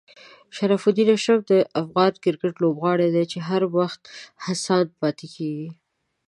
شرف الدین اشرف د افغان کرکټ لوبغاړی دی چې هر وخت هڅاند پاتې کېږي.